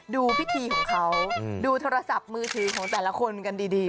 ดูพิธีของเขาดูโทรศัพท์มือถือของแต่ละคนกันดี